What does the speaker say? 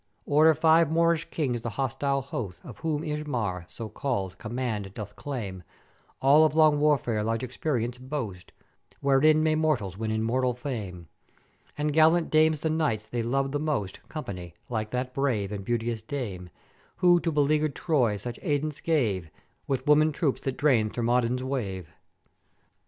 "Order five Moorish Kings the hostile host of whom Ismár, so called, command doth claim; all of long Warfare large experience boast, wherein may mortals win immortal fame: And gallant dames the Knights they love the most 'company, like that brave and beauteous Dame, who to beleaguered Troy such aidance gave with woman troops that drained Thermòdon's wave.